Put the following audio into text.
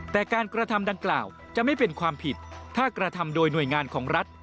แต่การกระทำดังกล่าวจะไม่เป็นความผิดถ้ากระทำโดยหน่วยงานของรัฐ